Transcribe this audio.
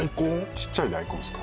ちっちゃい大根っすか？